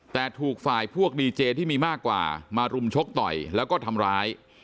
แต่ถูกฝ่ายพวกดีเจที่มีมากกว่ามารุมชกต่อยแล้วก็ทำร้าย